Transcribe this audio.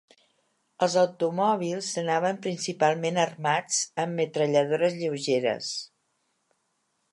Els automòbils anaven principalment armats amb metralladores lleugeres.